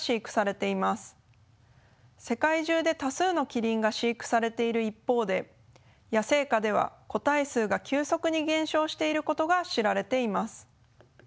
世界中で多数のキリンが飼育されている一方で野生下では個体数が急速に減少していることが知られています。